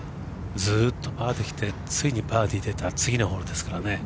ずっとパーできてついにバーディーが出た次のホールですからね。